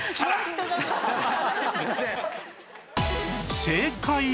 すいません。